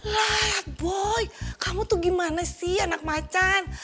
lah ya boy kamu tuh gimana sih anak macan